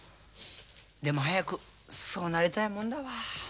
でも早くそうなりたいもんだわ。